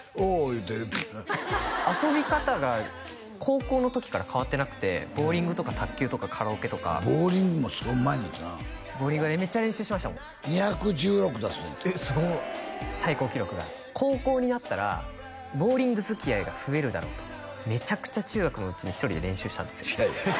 言うて遊び方が高校の時から変わってなくてボウリングとか卓球とかカラオケとかボウリングもすごいうまいねんてなボウリングめっちゃ練習しましたもん２１６出すねんてえっすごい最高記録が高校になったらボウリング付き合いが増えるだろうとめちゃくちゃ中学のうちに１人で練習したんですよ